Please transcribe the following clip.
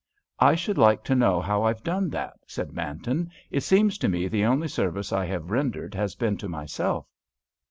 "I should like to know how I've done that," said Manton. "It seems to me the only service I have rendered has been to myself."